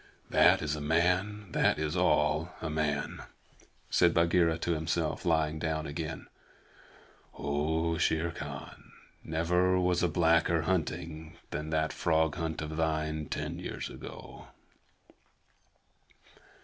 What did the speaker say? "That is a man. That is all a man," said Bagheera to himself, lying down again. "Oh, Shere Khan, never was a blacker hunting than that frog hunt of thine ten years ago!"